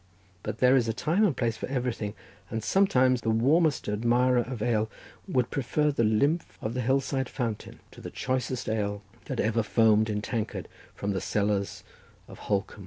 But there is a time and place for everything, and sometimes the warmest admirer of ale would prefer the lymph of the hill side fountain to the choicest ale that ever foamed in tankard from the cellars of Holkham.